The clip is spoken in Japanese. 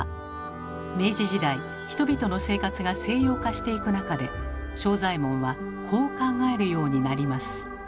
明治時代人々の生活が西洋化していく中で正左衛門はこう考えるようになります。